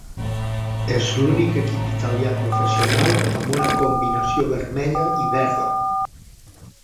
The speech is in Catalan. És l'únic equip italià professional amb una combinació vermella i verda.